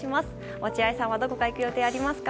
落合さんは、どこか行く予定ありますか？